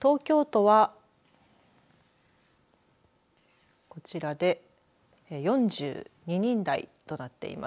東京都はこちらで４２人台となっています。